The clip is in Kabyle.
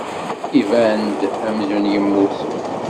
Iban-d amzun yemmut.